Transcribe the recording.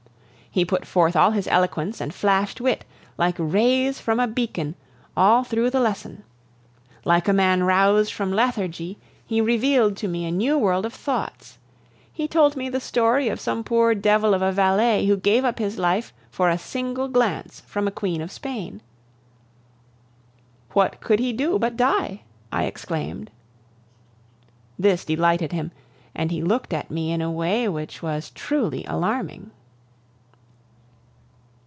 He put forth all his eloquence, and flashed wit, like rays from a beacon, all through the lesson. Like a man roused from lethargy, he revealed to me a new world of thoughts. He told me the story of some poor devil of a valet who gave up his life for a single glance from a queen of Spain. "What could he do but die?" I exclaimed. This delighted him, and he looked at me in a way which was truly alarming.